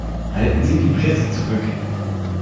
Halten Sie die Presse zurück!